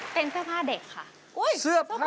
เป็นเสื้อผ้าเด็กค่ะ